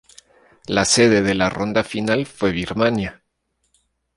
La sede de la ronda final fue Birmania.